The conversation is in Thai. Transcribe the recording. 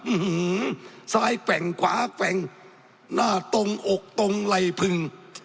อื้มซ้ายแป่งขวาแป่งหน้าตรงอกตรงไล่พึ่ง